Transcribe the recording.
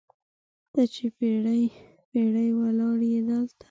ته چې پیړۍ، پیړۍ ولاړیې دلته